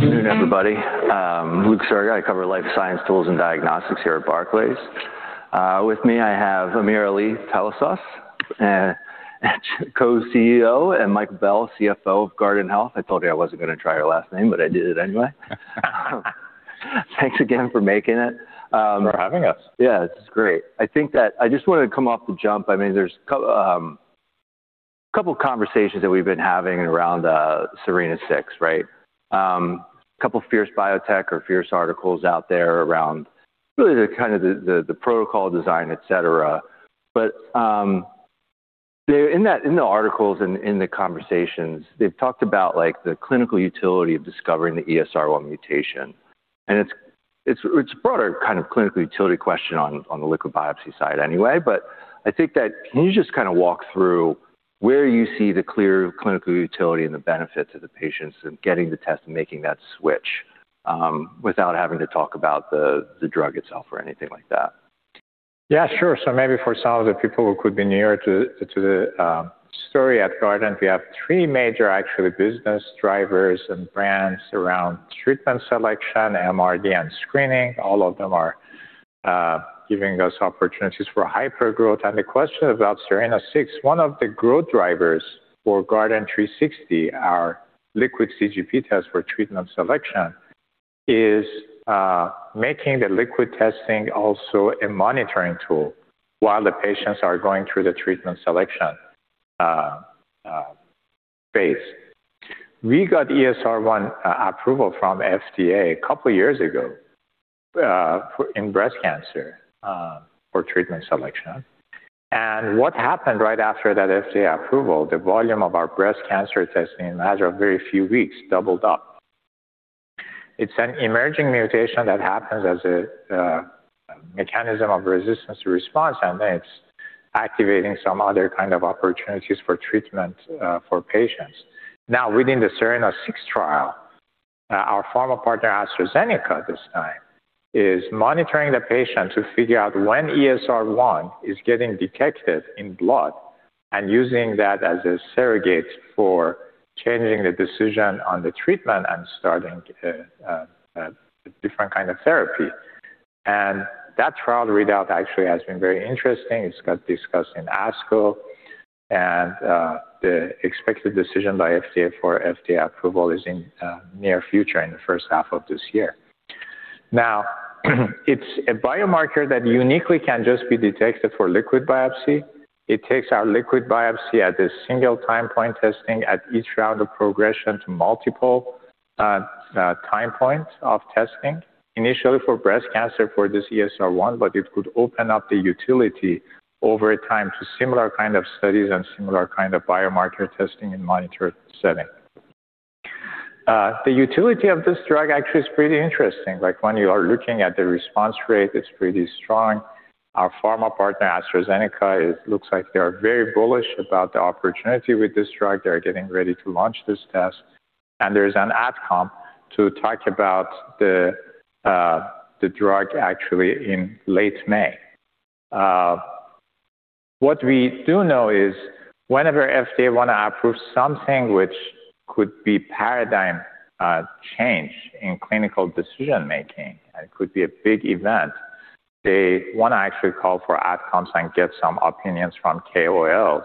Good afternoon, everybody. Luke Sergott, I cover life science tools and diagnostics here at Barclays. With me, I have Amirali Talasaz, Co-CEO, and Mike Bell, CFO of Guardant Health. I told you I wasn't going to try your last name, but I did it anyway. Thanks again for making it. Thanks for having us. Yeah, it's great. I think I just wanted to come off the jump. I mean, there's a couple conversations that we've been having around SERENA-6, right? A couple of Fierce Biotech or Fierce articles out there around really the kind of protocol design, et cetera. In the articles and in the conversations, they've talked about, like, the clinical utility of discovering the ESR1 mutation, and it's brought a kind of clinical utility question on the liquid biopsy side anyway. I think. Can you just kinda walk through where you see the clear clinical utility and the benefit to the patients in getting the test and making that switch without having to talk about the drug itself or anything like that? Yeah, sure. Maybe for some of the people who could be newer to the story at Guardant, we have three major actually business drivers and brands around treatment selection, MRD, and screening. All of them are giving us opportunities for hypergrowth. The question about SERENA-6, one of the growth drivers for Guardant360, our liquid CGP test for treatment selection, is making the liquid testing also a monitoring tool while the patients are going through the treatment selection Phase. We got ESR1 approval from FDA a couple years ago in breast cancer for treatment selection. What happened right after that FDA approval, the volume of our breast cancer testing in a matter of very few weeks doubled up. It's an emerging mutation that happens as a mechanism of resistance to response, and it's activating some other kind of opportunities for treatment for patients. Now, within the SERENA-6 trial, our pharma partner, AstraZeneca this time, is monitoring the patient to figure out when ESR1 is getting detected in blood and using that as a surrogate for changing the decision on the treatment and starting a different kind of therapy. That trial readout actually has been very interesting. It's got discussed in ASCO, and the expected decision by FDA for FDA approval is in near future, in the first half of this year. Now, it's a biomarker that uniquely can just be detected for liquid biopsy. It takes our liquid biopsy at a single time point testing at each round of progression to multiple time points of testing, initially for breast cancer for this ESR1, but it could open up the utility over time to similar kind of studies and similar kind of biomarker testing in monitored setting. The utility of this drug actually is pretty interesting. Like, when you are looking at the response rate, it's pretty strong. Our pharma partner, AstraZeneca, it looks like they are very bullish about the opportunity with this drug. They're getting ready to launch this test, and there's an outcome to talk about the drug actually in late May. What we do know is whenever FDA want to approve something which could be paradigm change in clinical decision-making, and it could be a big event, they want to actually call for adcoms and get some opinions from KOLs.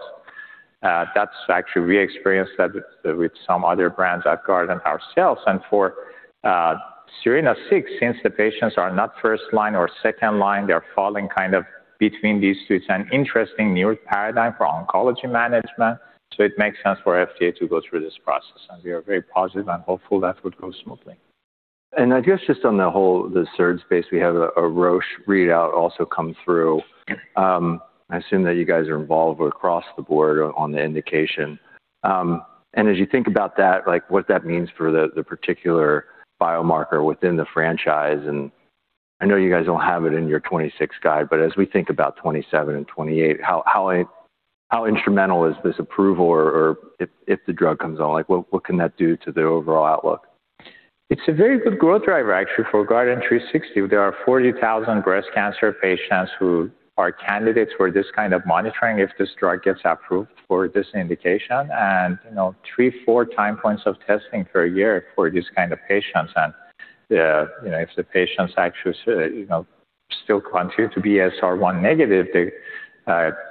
That's actually we experienced that with some other brands at Guardant ourselves. For SERENA-6, since the patients are not first-line or second-line, they're falling kind of between these two, it's an interesting new paradigm for oncology management, so it makes sense for FDA to go through this process, and we are very positive and hopeful that would go smoothly. I guess just on the whole, the ESR1 space, we had a Roche readout also come through. I assume that you guys are involved across the board on the indication. As you think about that, like, what that means for the particular biomarker within the franchise, and I know you guys don't have it in your 2026 guide, but as we think about 2027 and 2028, how instrumental is this approval or if the drug comes on? Like, what can that do to the overall outlook? It's a very good growth driver actually for Guardant360. There are 40,000 breast cancer patients who are candidates for this kind of monitoring if this drug gets approved for this indication. 3-4 time points of testing per year for these kind of patients. if the patients actually still continue to be ESR1 negative, the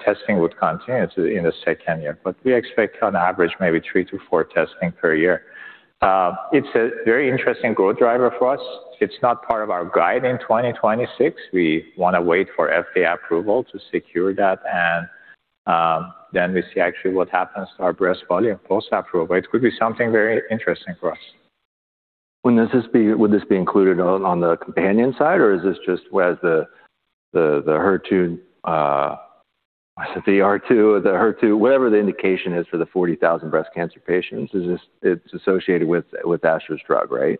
testing would continue in the second year. We expect on average maybe 3-4 testing per year. It's a very interesting growth driver for us. It's not part of our guide in 2026. We want to wait for FDA approval to secure that, and then we see actually what happens to our breast volume post-approval. It could be something very interesting for us. Would this be included on the companion side, or is this just where the HER2, whatever the indication is for the 40,000 breast cancer patients? It's associated with Astra's drug, right?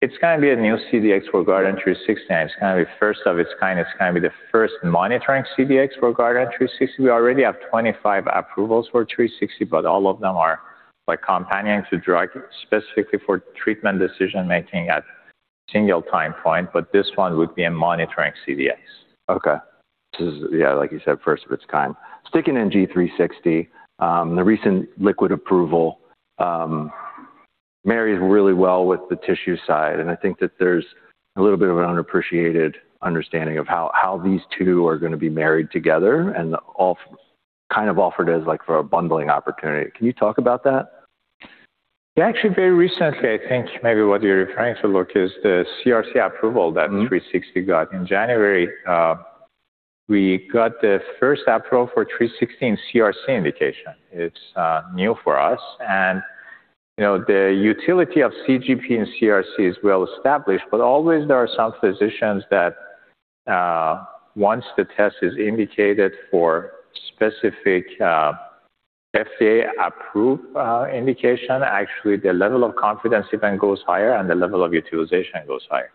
It's going to be a new CDx for Guardant360, and it's going to be first of its kind. It's going to be the first monitoring CDx for Guardant360. We already have 25 approvals for 360, but all of them are like companion to drug, specifically for treatment decision-making at a single time point, but this one would be a monitoring CDx. Okay. This is, yeah, like you said, first of its kind. Sticking in Guardant360, the recent liquid approval marries really well with the tissue side, and I think that there's a little bit of an underappreciated understanding of how these two are going to be married together and kind of offered as, like, for a bundling opportunity. Can you talk about that? Yeah. Actually, very recently, I think maybe what you're referring to, Luke, is the CRC approval that Guardant360 got in January. We got the first approval for Guardant360 in CRC indication. It's new for us and the utility of CGP and CRC is well-established, but always there are some physicians that once the test is indicated for specific FDA-approved indication, actually the level of confidence even goes higher and the level of utilization goes higher.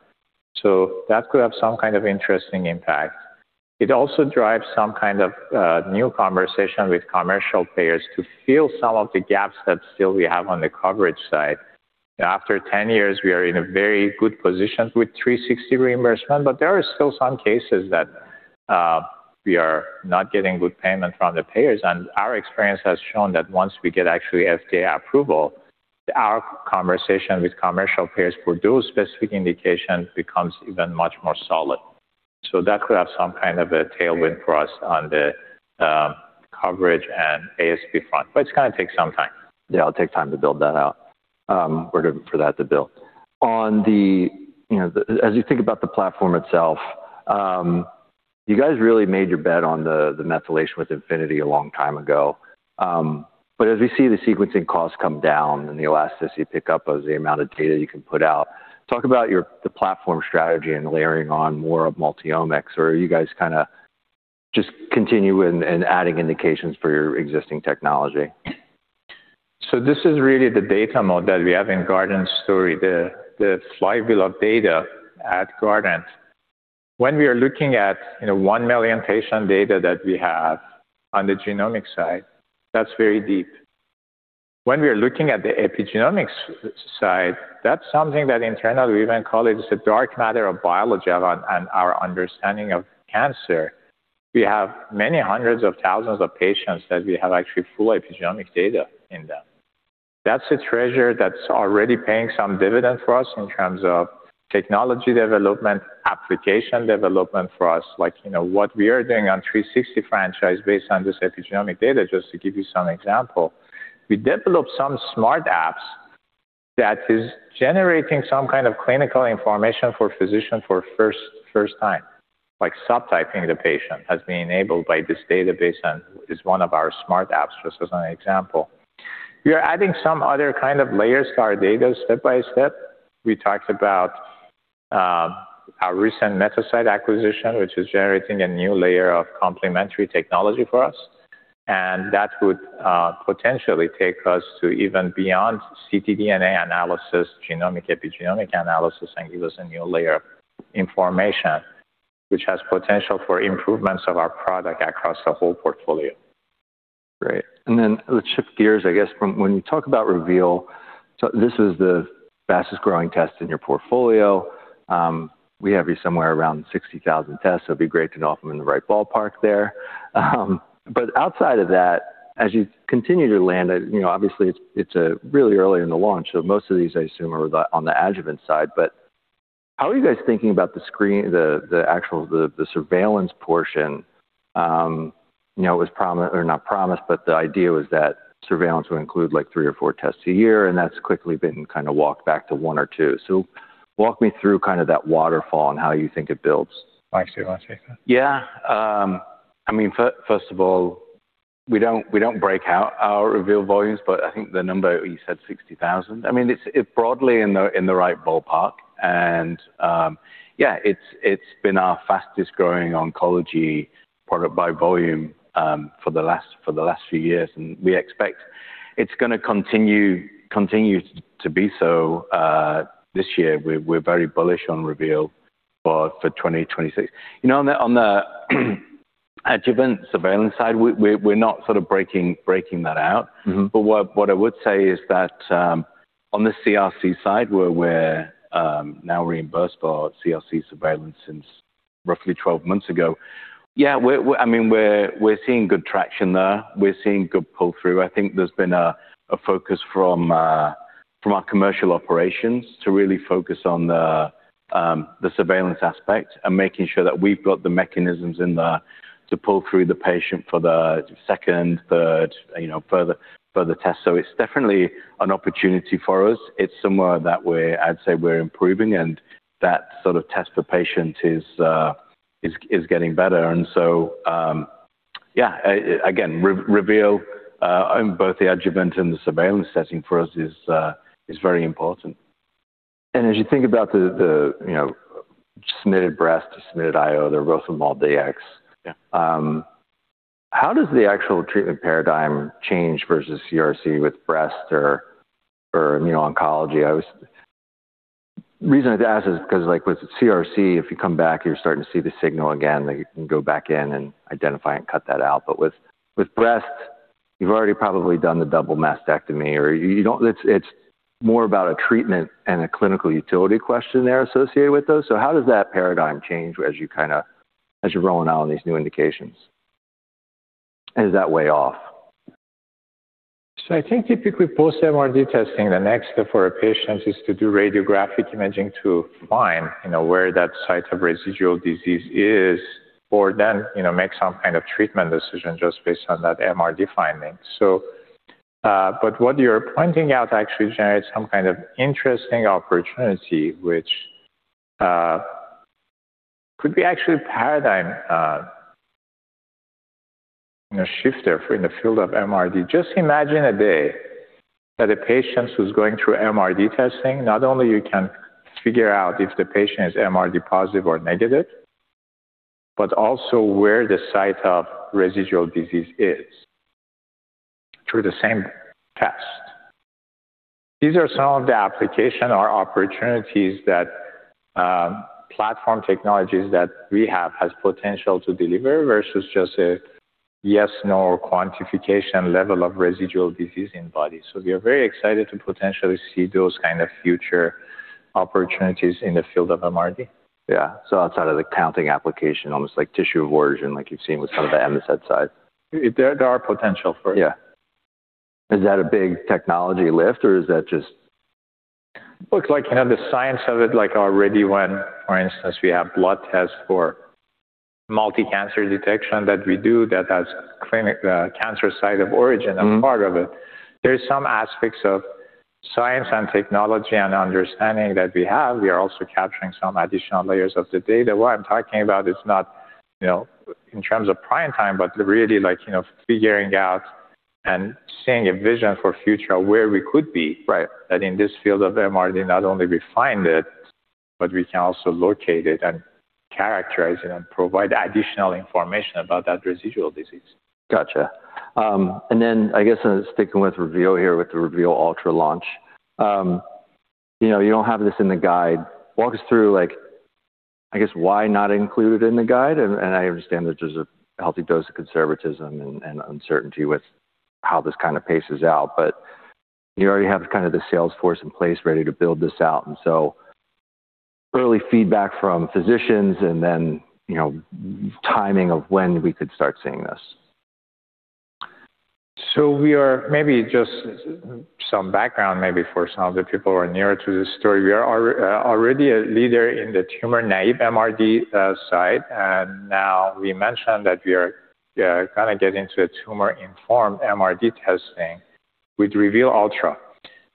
That could have some kind of interesting impact. It also drives some kind of new conversation with commercial payers to fill some of the gaps that still we have on the coverage side. After 10 years, we are in a very good position with Guardant360 reimbursement, but there are still some cases that we are not getting good payment from the payers. Our experience has shown that once we get actually FDA approval, our conversation with commercial payers for those specific indications becomes even much more solid. That could have some kind of a tailwind for us on the coverage and ASP front, but it's going to take some time. Yeah, it'll take time to build that out. On the as you think about the platform itself, you guys really made your bet on the methylation with Infinity a long time ago. But as we see the sequencing costs come down and the elasticity pick up as the amount of data you can put out, talk about the platform strategy and layering on more of multiomics, or are you guys kinda just continuing and adding indications for your existing technology? This is really the data moat that we have in Guardant story, the flywheel of data at Guardant. When we are looking at 1 million patient data that we have on the genomic side, that's very deep. When we are looking at the epigenomics side, that's something that internally we even call it the dark matter of biology on our understanding of cancer. We have many hundreds of thousands of patients that we have actually full epigenomic data in them. That's a treasure that's already paying some dividend for us in terms of technology development, application development for us. like what we are doing on Guardant360 franchise based on this epigenomic data, just to give you some example. We developed some Smart Apps that is generating some kind of clinical information for physician for first time. Like subtyping the patient has been enabled by this database and is one of our Smart Apps, just as an example. We are adding some other kind of layers to our data step by step. We talked about our recent MetaSight acquisition, which is generating a new layer of complementary technology for us, and that would potentially take us to even beyond ctDNA analysis, genomic, epigenomic analysis, and give us a new layer of information which has potential for improvements of our product across the whole portfolio. Great. Let's shift gears, I guess. When you talk about Reveal, so this is the fastest-growing test in your portfolio. We have you somewhere around 60,000 tests. It'd be great to know if I'm in the right ballpark there. But outside of that, as you continue to land obviously it's really early in the launch, so most of these I assume are on the adjuvant side. How are you guys thinking about the actual surveillance portion? it was or not promised, but the idea was that surveillance would include, like, 3 or 4 tests a year, and that's quickly been kinda walked back to 1 or 2. Walk me through kind of that waterfall and how you think it builds. Mike, do you want to take that? Yeah. I mean, first of all, we don't break out our Reveal volumes, but I think the number you said 60,000. I mean, it's broadly in the right ballpark and yeah, it's been our fastest-growing oncology product by volume for the last few years. We expect it's going to continue to be so this year. We're very bullish on Reveal for 2026. on the adjuvant surveillance side, we're not sort of breaking that out. Mm-hmm. What I would say is that, on the CRC side where we're now reimbursed for CRC surveillance since roughly 12 months ago, yeah, I mean, we're seeing good traction there. We're seeing good pull-through. I think there's been a focus from our commercial operations to really focus on the surveillance aspect and making sure that we've got the mechanisms in there to pull through the patient for the second, third further tests. It's definitely an opportunity for us. It's somewhere that we're improving and that sort of test per patient is getting better. Yeah, Reveal in both the adjuvant and the surveillance setting for us is very important. As you think about the you know submitted breast, IO, the Roche MolDX. Yeah. How does the actual treatment paradigm change versus CRC with breast or immuno-oncology? The reason I ask is 'cause, like, with CRC, if you come back, you're starting to see the signal again, then you can go back in and identify and cut that out. With breast, you've already probably done the double mastectomy. It's more about a treatment and a clinical utility question there associated with those. How does that paradigm change as you're rolling out on these new indications? Is that way off? I think typically post-MRD testing, the next step for a patient is to do radiographic imaging to find where that site of residual disease is or then make some kind of treatment decision just based on that MRD finding. What you're pointing out actually generates some kind of interesting opportunity, which could actually be a paradigm shift, therefore, in the field of MRD. Just imagine a day that a patient who's going through MRD testing, not only you can figure out if the patient is MRD positive or negative, but also where the site of residual disease is through the same test. These are some of the applications or opportunities that platform technologies that we have has potential to deliver versus just a yes/no quantification level of residual disease in body. We are very excited to potentially see those kind of future opportunities in the field of MRD. Yeah. Outside of the counting application, almost like tissue of origin, like you've seen with some of the MCED side. There are potential for it. Yeah. Is that a big technology lift or is that just? Looks like the science of it, like already when, for instance, we have blood tests for multi-cancer detection that we do that has cancer site of origin. Mm-hmm. As part of it. There's some aspects of science and technology and understanding that we have. We are also capturing some additional layers of the data. What I'm talking about is not in terms of prime time, but really like figuring out and seeing a vision for future where we could be. Right. That in this field of MRD, not only we find it, but we can also locate it and characterize it and provide additional information about that residual disease. Got it. I guess sticking with Reveal here, with the Reveal Ultra launch you don't have this in the guide. Walk us through like, I guess, why not include it in the guide? I understand that there's a healthy dose of conservatism and uncertainty with how this kind of paces out. You already have kind of the sales force in place ready to build this out. Early feedback from physicians and then timing of when we could start seeing this. Maybe just some background maybe for some of the people who are newer to the story. We are already a leader in the tumor-naive MRD side. Now we mentioned that we are kinda getting into a tumor-informed MRD testing with Reveal Ultra.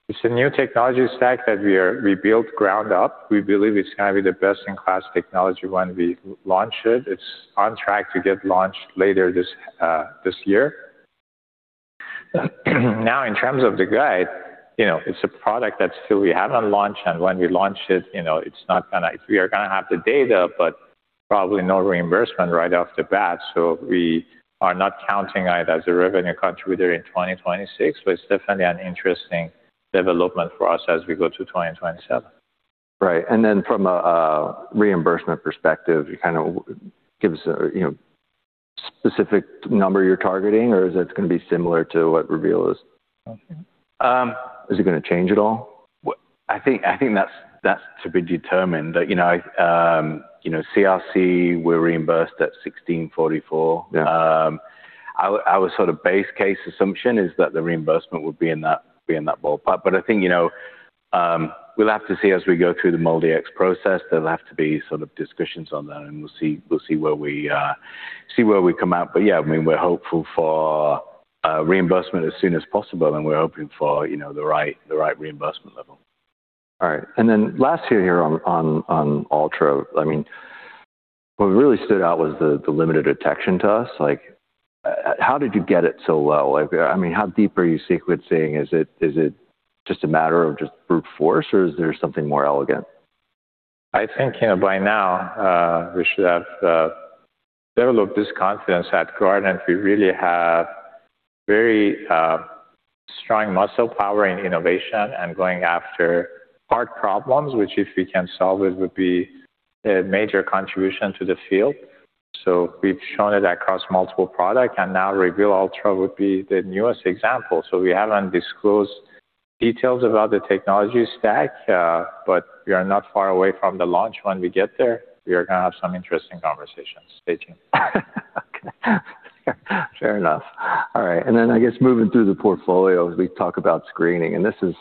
It's a new technology stack that we built ground up. We believe it's going to be the best-in-class technology when we launch it. It's on track to get launched later this year. Now, in terms of the guide it's a product that still we haven't launched, and when we launch it it's not going to. We are going to have the data, but probably no reimbursement right off the bat. We are not counting it as a revenue contributor in 2026, but it's definitely an interesting development for us as we go to 2027. Right. From a reimbursement perspective, you kinda give us a specific number you're targeting or is it going to be similar to what Reveal is? Um Is it going to change at all? Well, I think that's to be determined. CRC, we're reimbursed at $1,644. Yeah. Our sort of base case assumption is that the reimbursement would be in that ballpark. I think we'll have to see as we go through the MolDX process. There'll have to be sort of discussions on that, and we'll see where we come out. Yeah, we're hopeful for reimbursement as soon as possible, and we're hoping for the right reimbursement level. All right. Last here on Ultra, I mean, what really stood out was the limited detection to us. Like, how did you get it so low? Like how deep are you sequencing? Is it just a matter of just brute force or is there something more elegant? I think by now, we should have developed this confidence at Guardant. We really have very strong muscle power in innovation and going after hard problems, which if we can solve it, would be a major contribution to the field. We've shown it across multiple product, and now Reveal Ultra would be the newest example. We haven't disclosed details about the technology stack, but we are not far away from the launch when we get there. We are going to have some interesting conversations. Stay tuned. Okay. Fair enough. All right. Then I guess moving through the portfolio as we talk about screening, and this is.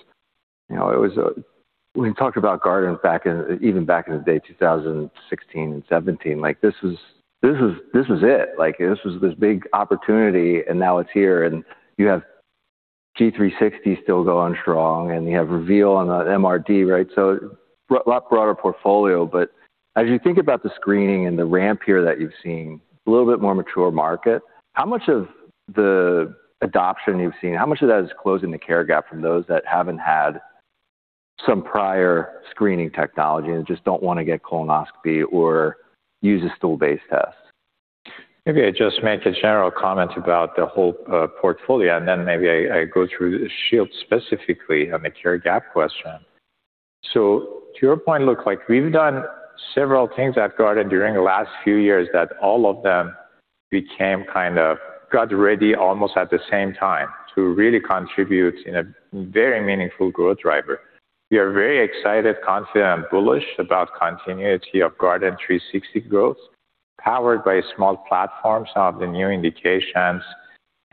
we talked about Guardant back in even back in the day, 2016 and 2017. Like, this is it. Like, this was this big opportunity, and now it's here. You have Guardant360 still going strong, and you have Guardant Reveal on the MRD, right? Lot broader portfolio. But as you think about the screening and the ramp here that you've seen, a little bit more mature market, how much of the adoption you've seen, how much of that is closing the care gap from those that haven't had some prior screening technology and just don't want to get colonoscopy or use a stool-based test? Maybe I just make a general comment about the whole portfolio, and then maybe I go through Shield specifically on the care gap question. To your point, Luke, like we've done several things at Guardant during the last few years that all kind of got ready almost at the same time to really contribute in a very meaningful growth driver. We are very excited, confident, and bullish about continuity of Guardant360 growth, powered by smart apps of the new indications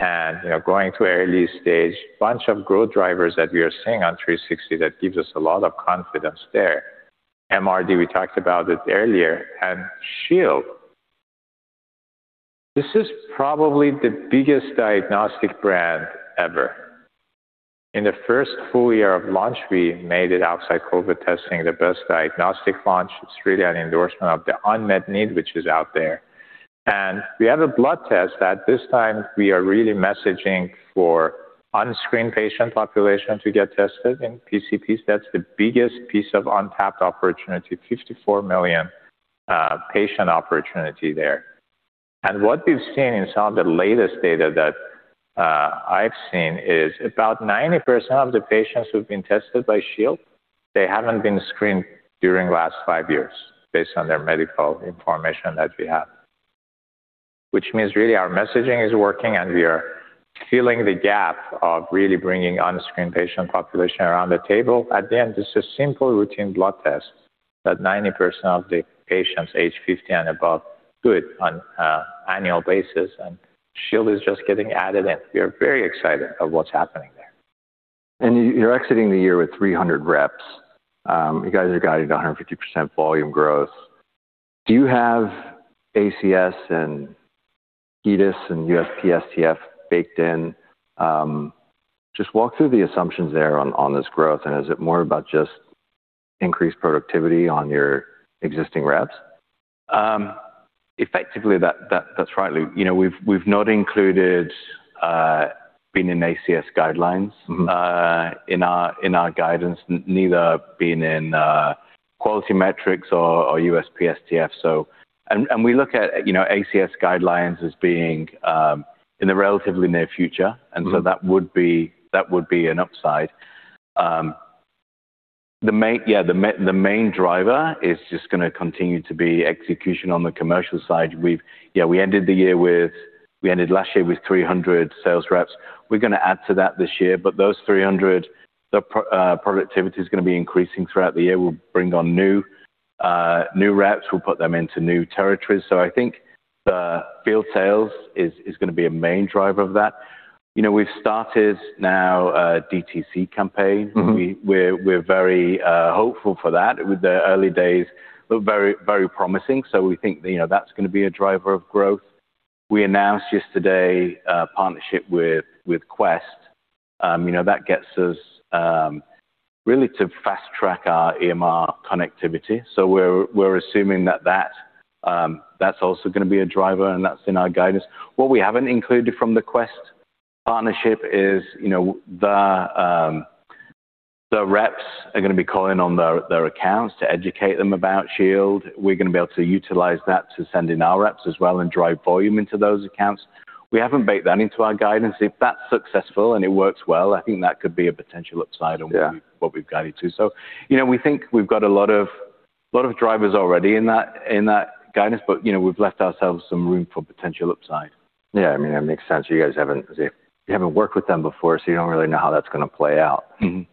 and going to early stage. Bunch of growth drivers that we are seeing on 360 that gives us a lot of confidence there. MRD, we talked about it earlier, and Shield. This is probably the biggest diagnostic brand ever. In the first full year of launch, we made it outside COVID testing the best diagnostic launch. It's really an endorsement of the unmet need which is out there. We have a blood test that this time we are really messaging for unscreened patient population to get tested in PCPs. That's the biggest piece of untapped opportunity, 54 million patient opportunity there. What we've seen in some of the latest data that I've seen is about 90% of the patients who've been tested by Shield, they haven't been screened during last five years based on their medical information that we have. Which means really our messaging is working, and we are filling the gap of really bringing unscreened patient population around the table. At the end, it's a simple routine blood test that 90% of the patients age 50 and above do it on annual basis, and Shield is just getting added in. We're very excited of what's happening there. You, you're exiting the year with 300 reps. You guys are guiding to 150% volume growth. Do you have ACS and HEDIS and USPSTF baked in? Just walk through the assumptions there on this growth, and is it more about just increased productivity on your existing reps? Effectively, that's right, Luke. we've not included being in ACS guidelines. Mm-hmm In our guidance, neither being in quality metrics or USPSTF. We look at ACS guidelines as being in the relatively near future. Mm-hmm. That would be an upside. The main driver is just going to continue to be execution on the commercial side. We ended last year with 300 sales reps. We're going to add to that this year, but those 300, productivity is going to be increasing throughout the year. We'll bring on new reps. We'll put them into new territories. I think the field sales is going to be a main driver of that. we've started now a DTC campaign. Mm-hmm. We're very hopeful for that. With the early days look very, very promising, so we think that's going to be a driver of growth. We announced yesterday a partnership with Quest. that gets us really to fast-track our EMR connectivity. So we're assuming that that's also going to be a driver, and that's in our guidance. What we haven't included from the Quest partnership is the reps are going to be calling on their accounts to educate them about Shield. We're going to be able to utilize that to send in our reps as well and drive volume into those accounts. We haven't baked that into our guidance. If that's successful and it works well, I think that could be a potential upside on- Yeah What we've guided to. we think we've got a lot of drivers already in that guidance, but we've left ourselves some room for potential upside. Yeah. that makes sense. 'Cause if you haven't worked with them before, so you don't really know how that's going to play out. Mm-hmm.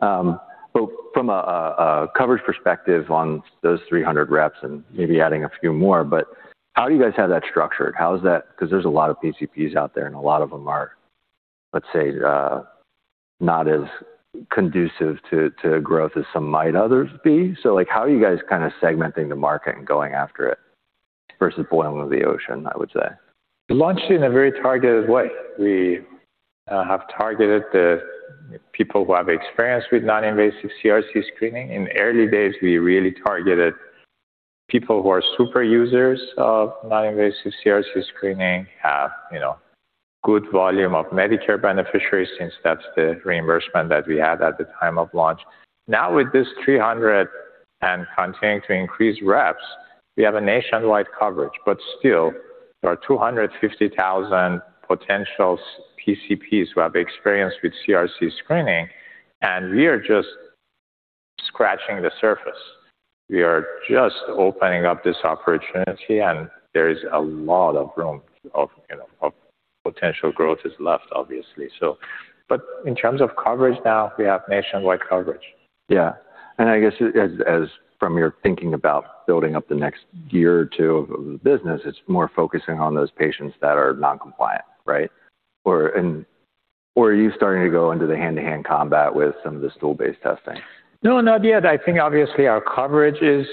From a coverage perspective on those 300 reps and maybe adding a few more, but how do you guys have that structured? How is that? 'Cause there's a lot of PCPs out there, and a lot of them are, let's say, not as conducive to growth as some others might be. Like, how are you guys kinda segmenting the market and going after it versus boiling the ocean, I would say? Launched in a very targeted way. We have targeted the people who have experience with non-invasive CRC screening. In early days, we really targeted people who are super users of non-invasive CRC screening, have good volume of Medicare beneficiaries since that's the reimbursement that we had at the time of launch. Now with this 300 and continuing to increase reps, we have a nationwide coverage. Still, there are 250,000 potential PCPs who have experience with CRC screening, and we are just scratching the surface. We are just opening up this opportunity, and there is a lot of room for potential growth left, obviously. In terms of coverage now, we have nationwide coverage. Yeah. I guess as from your thinking about building up the next year or two of the business, it's more focusing on those patients that are non-compliant, right? Or are you starting to go into the hand-to-hand combat with some of the stool-based testing? No, not yet. I think obviously our coverage is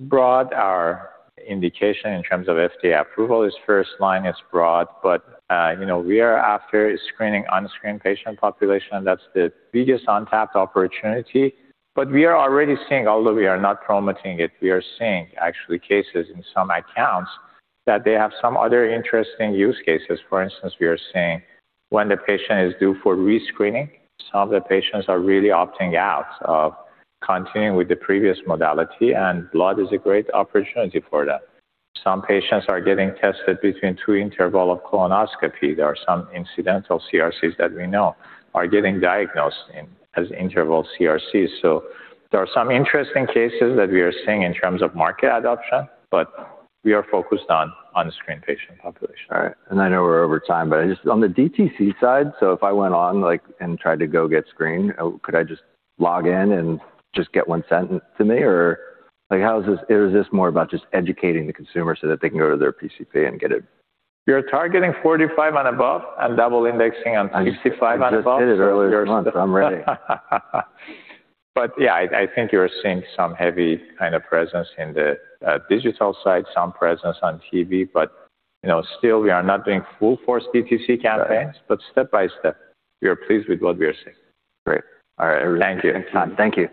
broad. Our indication in terms of FDA approval is first line is broad. we are after screening unscreened patient population. That's the biggest untapped opportunity. We are already seeing, although we are not promoting it, we are seeing actually cases in some accounts that they have some other interesting use cases. For instance, we are seeing when the patient is due for re-screening, some of the patients are really opting out of continuing with the previous modality, and blood is a great opportunity for that. Some patients are getting tested between two interval of colonoscopy. There are some incidental CRCs that we know are getting diagnosed in as interval CRCs. There are some interesting cases that we are seeing in terms of market adoption, but we are focused on unscreened patient population. All right. I know we're over time, but just on the DTC side, so if I went on, like, and tried to go get screened, could I just log in and just get one sent to me? Or like, how is this, or is this more about just educating the consumer so that they can go to their PCP and get it? We are targeting 45 and above and double indexing on 65 and above. I just did it earlier this month. I'm ready. Yeah, I think you're seeing some heavy kind of presence in the digital side, some presence on TV. still we are not doing full force DTC campaigns. Got it. Step by step, we are pleased with what we are seeing. Great. All right. Thank you. Thanks for your time. Thank you.